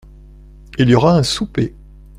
Il y aura un souper…